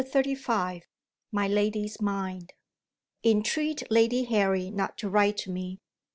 CHAPTER XXXV MY LADY'S MIND "ENTREAT Lady Harry not to write to me.